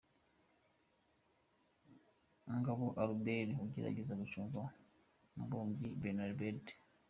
Ngabo Albert agerageza gucunga Mubumbyi Bernabe.